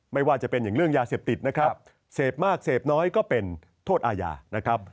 ไม่ว่าจะเป็นอย่างเรื่องยาเสพติดนะครับเสพมากเสพน้อยก็เป็นโทษอาญานะครับ